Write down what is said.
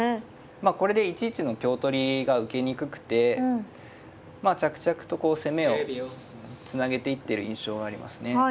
まあこれで１一の香取りが受けにくくてまあ着々とこう攻めをつなげていってる印象がありますね。